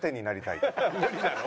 無理だろ。